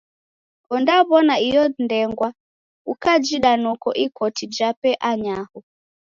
Ondaw'ona iyo ndengwa, ukajida noko ikoti jape anyaho.